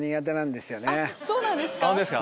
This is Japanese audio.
そうなんですね。